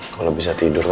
kalau bisa tidur